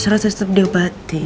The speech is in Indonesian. saya tetap tetap dobatin